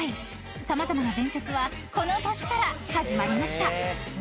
［様々な伝説はこの年から始まりました］